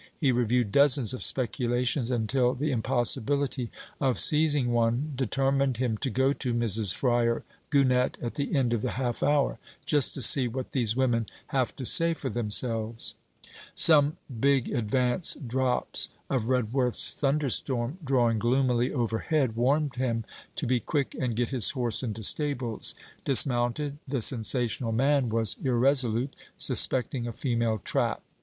He reviewed dozens of speculations until the impossibility of seizing one determined him to go to Mrs. Fryar Gunnett at the end of the half hour 'Just to see what these women have to say for themselves.' Some big advance drops of Redworth's thunderstorm drawing gloomily overhead, warned him to be quick and get his horse into stables. Dismounted, the sensational man was irresolute, suspecting a female trap.